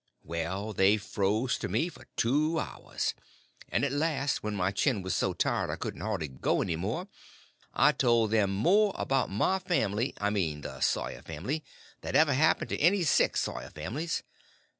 Well, they froze to me for two hours; and at last, when my chin was so tired it couldn't hardly go any more, I had told them more about my family—I mean the Sawyer family—than ever happened to any six Sawyer families.